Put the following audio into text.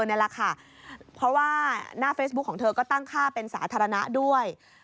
เพราะว่าหน้าเฟซบุ๊กของเธอก็ตั้งฆ่าเป็นสาธารณะด้วย